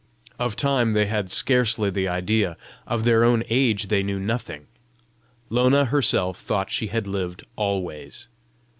Of time they had scarcely the idea; of their own age they knew nothing! Lona herself thought she had lived always!